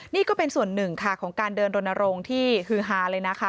นี่ก็เป็นส่วนหนึ่งค่ะของการเดินรณรงค์ที่ฮือฮาเลยนะคะ